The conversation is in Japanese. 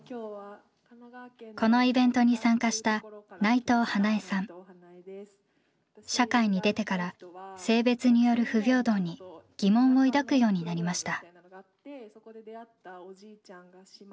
このイベントに参加した社会に出てから性別による不平等に疑問を抱くようになりました。